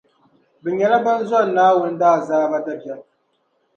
Bɛ nyɛla ban zɔri Naawuni daazaaba dabiɛm.